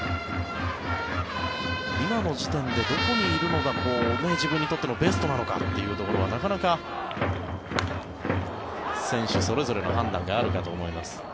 今の時点でどこにいるのが自分にとってのベストなのかはなかなか選手それぞれの判断があるかと思います。